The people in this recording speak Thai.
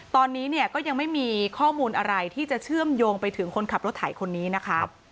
ตอนนี้เนี่ยก็ยังไม่มีข้อมูลอะไรที่จะเชื่อมโยงไปถึงคนขับรถไถคนนี้นะคะ